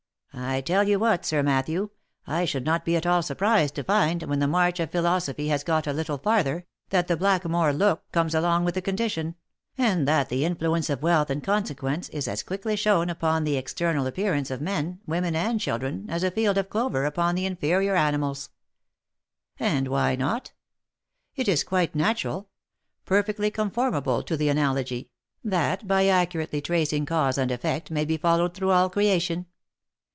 I tell you what, Sir Matthew, I should not be at all surprised to find, when the march of philo sophy has got a little farther, that the blackamoor look comes along 56 THE LIFE AND ADVENTURES with the condition, and, that the influence of wealth and conse quence is as quickly shown npon the external appearance of men, women, and children, as a field of clover upon the inferior animals. And why not? It is quite natural — perfectly conformable to the analogy, that, by accurately tracing cause and effect, may be followed through all creation.